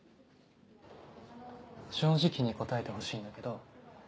正直に答えてほしいんだけど。